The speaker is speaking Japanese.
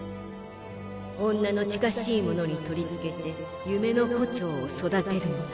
女の近しい者に取り付けて夢の胡蝶を育てるのだ。